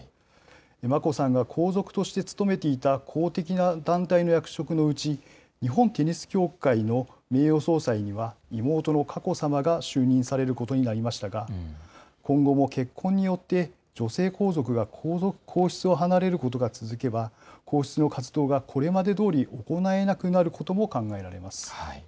眞子さんが皇族として務めていた公的な団体の役職のうち、日本テニス協会の名誉総裁には、妹の佳子さまが就任されることになりましたが、今後も結婚によって、女性皇族が皇室を離れることが続けば、皇室の活動がこれまでどおり行えなくなることも考えられます。